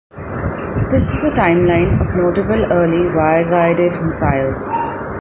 This is a timeline of notable early wire-guided missiles.